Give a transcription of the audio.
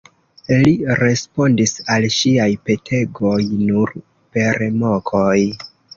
Li respondis al ŝiaj petegoj nur per mokoj.